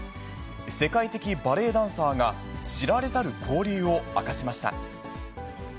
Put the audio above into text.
世界的バレエダンサーが知られざる交流を明かしました。